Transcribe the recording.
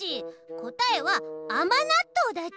こたえは「あまなっとう」だち。